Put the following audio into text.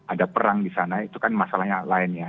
ada perang di sana itu kan masalahnya lainnya